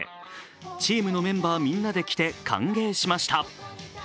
チームのメンバーみんなで着て歓迎しました。